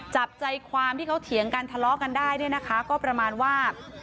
จับใจความที่เขาเถียงกันทะเลาะกันได้เนี่ยนะคะก็ประมาณว่า